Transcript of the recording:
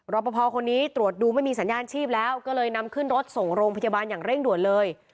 ปภคนนี้ตรวจดูไม่มีสัญญาณชีพแล้วก็เลยนำขึ้นรถส่งโรงพยาบาลอย่างเร่งด่วนเลย